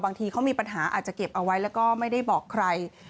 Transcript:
บางทีเขามีปัญหาอาจจะเก็บเอาไว้แล้วก็ไม่ได้บอกใคร